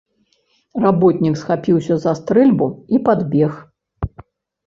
Работнік схапіўся за стрэльбу і падбег.